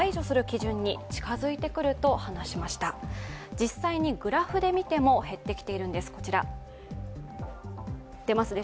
実際にグラフで見ても減ってきているんです。